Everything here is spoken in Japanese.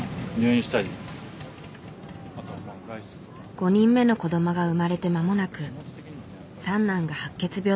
５人目の子どもが生まれて間もなく三男が白血病と診断された。